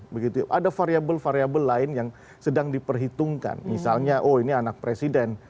begitu ada variabel variabel lain yang sedang diperhitungkan misalnya oh ini anak presiden